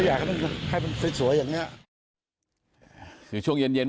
อยู่ช่วงเย็น